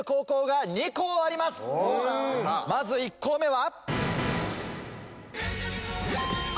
まず１校目は。